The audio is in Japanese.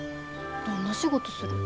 どんな仕事する？